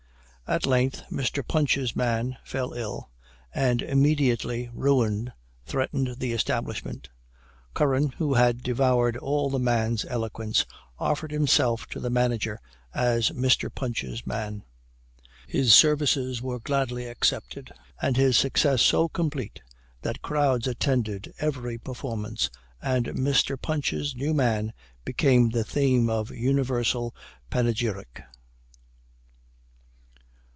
At length, Mr. Punch's man fell ill, and immediately ruin threatened the establishment. Curran, who had devoured all the man's eloquence, offered himself to the manager as Mr. Punch's man. His services were gladly accepted, and his success so complete, that crowds attended every performance, and Mr. Punch's new man became the theme of universal panegyric.